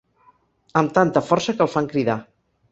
Amb tanta força que el fan cridar.